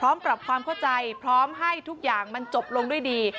ปรับความเข้าใจพร้อมให้ทุกอย่างมันจบลงด้วยดี